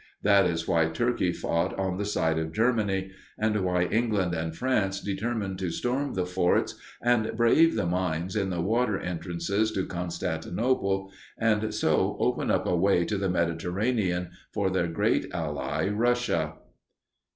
That is why Turkey fought on the side of Germany, and why England and France determined to storm the forts and brave the mines in the water entrances to Constantinople and so open up a way to the Mediterranean for their great ally, Russia.